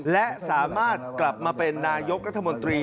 และสามารถกลับมาเป็นนายกรัฐมนตรี